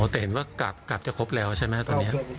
อ๋อแต่เห็นว่ากราบจะครบแล้วใช่ไหม